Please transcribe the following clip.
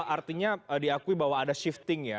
artinya diakui bahwa ada shifting ya